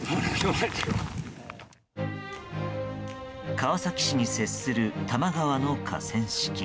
川崎市に接する多摩川の河川敷。